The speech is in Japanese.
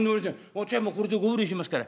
わっちはもうこれでご無礼しますから」。